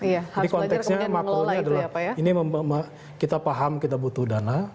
jadi konteksnya makaunya adalah kita paham kita butuh dana